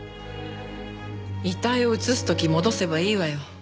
遺体を移す時戻せばいいわよ。